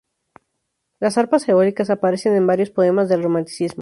Las arpas eólicas aparecen en varios poemas del Romanticismo.